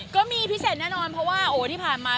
ก็มีพิเศษแน่นอนเพราะว่าโอ้ที่ผ่านมา